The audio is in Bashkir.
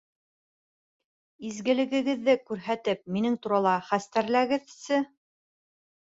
Изгелегегеҙҙе күрһәтеп минең турала хәстәрләгеҙсе...